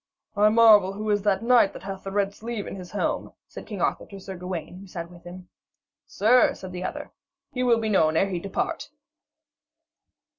'I marvel who is that knight that hath the red sleeve in his helm?' said King Arthur to Sir Gawaine, who sat with him. 'Sir,' said the other, 'he will be known ere he depart.'